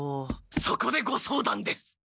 そこでご相談です！